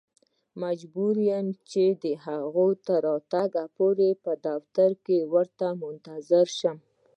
مجبور وم چې د هغې تر راتګ پورې په دفتر کې ورته منتظر شم.